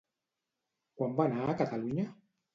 Quan va anar a Catalunya?